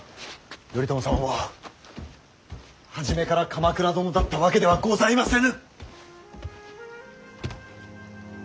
頼朝様も初めから鎌倉殿だったわけではございませぬ！